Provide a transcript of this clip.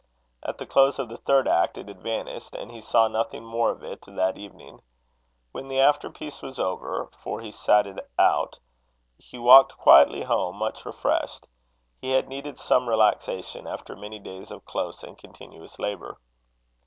At the close of the third act it had vanished, and he saw nothing more of it that evening. When the after piece was over, for he sat it out, he walked quietly home, much refreshed. He had needed some relaxation, after many days of close and continuous labour.